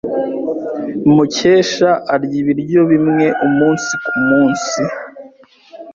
Mukesha arya ibiryo bimwe umunsi kumunsi.